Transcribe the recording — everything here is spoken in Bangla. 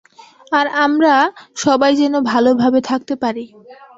আর আমরা সবাই যেনো ভালোভাবে থাকতে পারি।